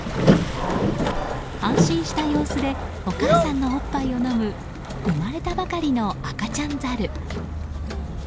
安心した様子でお母さんのおっぱいを飲む生まれたばかりの赤ちゃんザル。